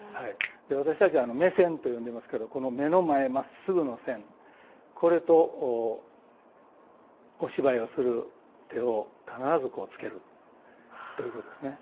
私たちは「目線」と呼んでますけどこの目の前まっすぐの線これとお芝居をする手を必ずつけるということですね。